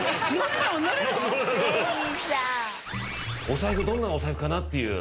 お財布どんなお財布かなっていう。